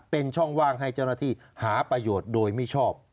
เป็นช่องว่างให้เจ้าหน้าที่หาประโยชน์โดยมิชอบ